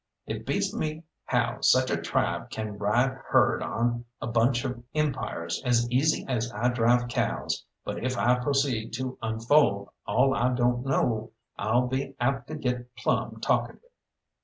It beats me how such a tribe can ride herd on a bunch of empires as easy as I drive cows, but if I proceed to unfold all I don't know, I'll be apt to get plumb talkative.